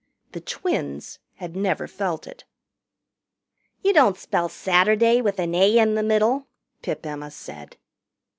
The twins had never felt it. "You don't spell Saturday with an 'a' in the middle," Pip Emma said.